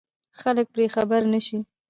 خلک پرې خبر نه شي.